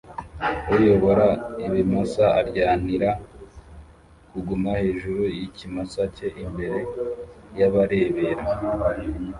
Uyobora ibimasa arwanira kuguma hejuru yikimasa cye imbere yabarebera